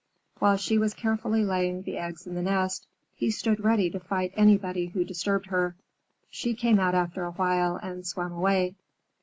While she was carefully laying the eggs in the nest, he stood ready to fight anybody who disturbed her. She came out after a while and swam away.